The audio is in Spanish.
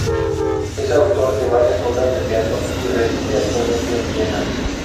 Es autor de varias obras de teatro y reside actualmente en Viena.